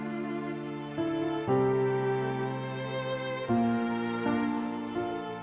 vetokfta siap betipai depan